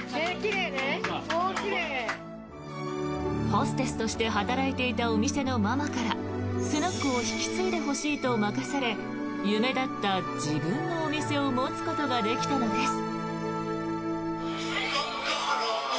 ホステスとして働いていたお店のママからスナックを引き継いでほしいと任され夢だった自分のお店を持つことができたのです。